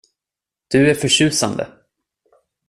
Du är förtjusande.